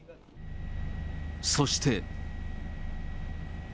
そして。